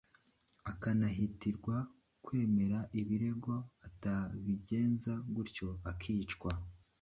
akanahatirwa kwemera ibirego atabigenza gutyo akicwa,